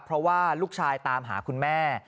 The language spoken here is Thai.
เพราะว่าลูกชายตามหาคุณแม่